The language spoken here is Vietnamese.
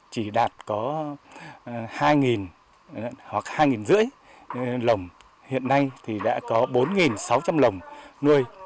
chỉ đạt có hai hoặc hai năm trăm linh lồng hiện nay thì đã có bốn sáu trăm linh lồng nuôi